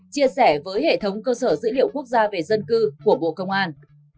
chia sẻ với hệ thống cơ sở dữ liệu quốc gia về dân cư của bộ công an